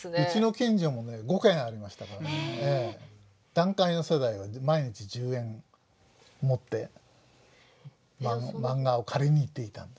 団塊の世代は毎日１０円持ってマンガを借りに行っていたんです。